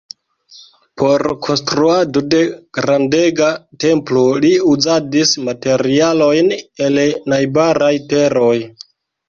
Por konstruado de grandega templo li uzadis materialojn el najbaraj teroj.